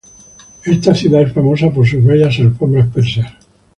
Esta ciudad es famosa por sus bellas alfombras persas.